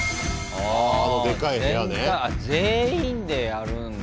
あ全員でやるんだ。